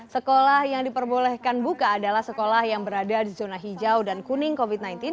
sekolah yang diperbolehkan buka adalah sekolah yang berada di zona hijau dan kuning covid sembilan belas